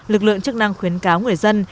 lực lượng chức năng khuyến cáo người dân